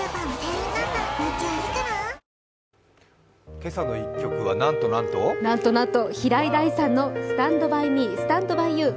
「けさの１曲」はなんとなんとなんと、なんと、平井大さんの「Ｓｔａｎｄｂｙｍｅ，Ｓｔａｎｄｂｙｙｏｕ．」。